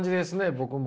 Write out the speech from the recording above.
僕も。